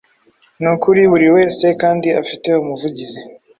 Nukuri buriwese Kandi afite umuvugizi